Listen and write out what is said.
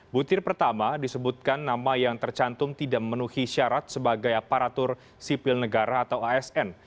butir pertama disebutkan nama yang tercantum tidak memenuhi syarat sebagai aparatur sipil negara atau asn